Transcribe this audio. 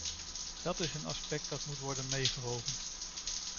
Dat is een aspect dat moet worden meegewogen.